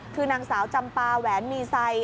คือนางสาวจำปาแหวนมีไซ